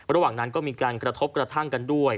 ระหว่างนั้นก็มีการกระทบกระทั่งกันด้วย